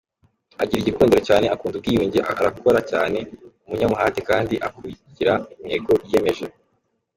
Agira igikundiro cyane, akunda ubwiyunge, arakora cyane, ni umunyamuhate kandi akurikira intego yiyemeje.